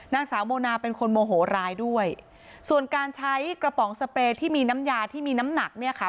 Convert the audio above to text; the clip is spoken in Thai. นางสาวโมนาเป็นคนโมโหร้ายด้วยส่วนการใช้กระป๋องสเปรย์ที่มีน้ำยาที่มีน้ำหนักเนี่ยค่ะ